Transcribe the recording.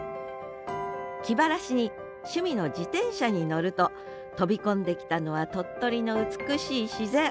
気晴らしに趣味の自転車に乗ると飛び込んできたのは鳥取の美しい自然。